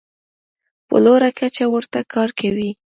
په لوړه کچه ورته کار کوي.